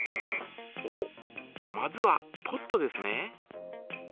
おっまずはポットですね。